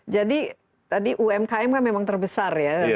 jadi tadi umkm kan memang terbesar ya